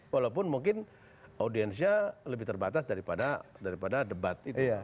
walaupun mungkin audiensnya lebih terbatas daripada debat itu